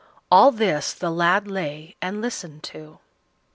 All this the lad lay and listened to.